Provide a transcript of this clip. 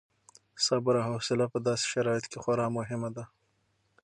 صبر او حوصله په داسې شرایطو کې خورا مهم دي.